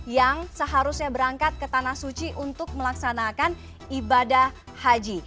yang seharusnya berangkat ke tanah suci untuk melaksanakan ibadah haji